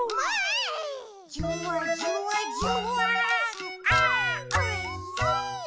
「じゅわじゅわじゅわーんあーおいしい！」